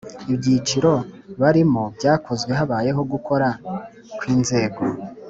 ibyiciro barimo byakozwe habayeho gukoraa kw’inzego